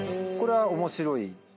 これは面白い。